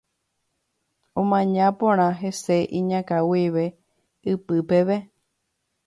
Omaña porã hese iñakã guive ipy peve.